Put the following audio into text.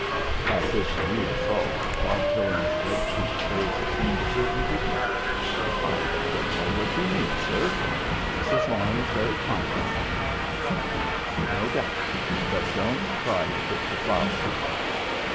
At this rude assault Bob Pillin's red cheeked face assumed a certain dignity. "I don't know what you mean, sir. Mrs. Larne is very kind to me." "No doubt. But don't try to pick the flowers."